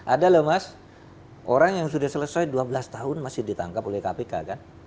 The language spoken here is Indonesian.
ada loh mas orang yang sudah selesai dua belas tahun masih ditangkap oleh kpk kan